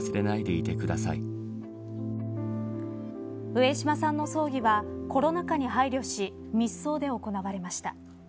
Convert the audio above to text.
上島さんの葬儀はコロナ禍に配慮し密葬で行われました。